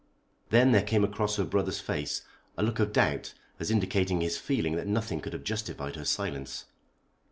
Then there came across her brother's face a look of doubt as indicating his feeling that nothing could have justified her silence.